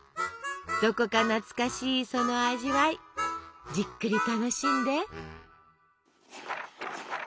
どこか懐かしいその味わいじっくり楽しんで。